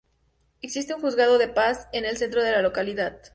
Existe un juzgado de paz en el centro de la localidad.